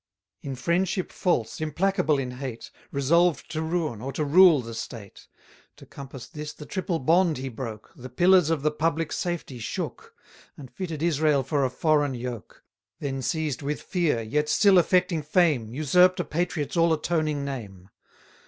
In friendship false, implacable in hate; Resolved to ruin, or to rule the state. To compass this, the triple bond he broke; The pillars of the public safety shook; And fitted Israel for a foreign yoke: Then seized with fear, yet still affecting fame, Usurp'd a patriot's all atoning name.